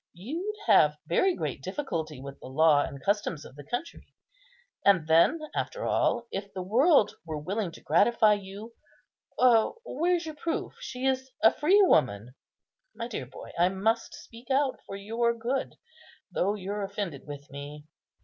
You'd have very great difficulty with the law and the customs of the country; and then, after all, if the world were willing to gratify you, where's your proof she is a freewoman? My dear boy, I must speak out for your good, though you're offended with me.